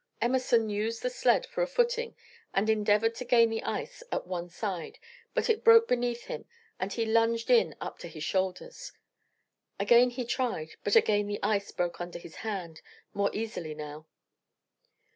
Emerson used the sled for a footing and endeavored to gain the ice at one side, but it broke beneath him and he lunged in up to his shoulders. Again he tried, but again the ice broke under his hand, more easily now.